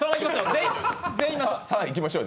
さあいきましょう。